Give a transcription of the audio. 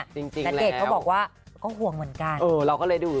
จริงณเดชน์เขาบอกว่าก็ห่วงเหมือนกันเออเราก็เลยดู